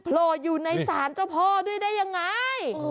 โผล่อยู่ในศาลเจ้าพ่อด้วยได้ยังไง